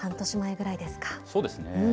そうですね。